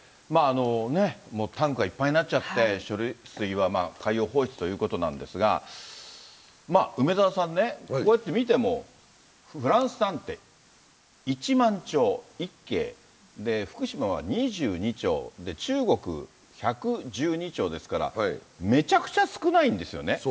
タンクがいっぱいになっちゃって、処理水は海洋放出ということなんですが、まあ梅沢さんね、こうやって見ても、フランスなんて１万兆、１京、福島は２２兆、中国、１１２兆ですから、めちゃくちゃ少ないんですよね。